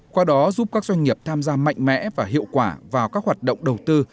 qua đó giúp các doanh nghiệp tham gia mạnh mẽ và hiệu quả vào các hoạt động đầu tư